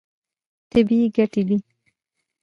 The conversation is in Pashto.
طبیعي ګټې دي.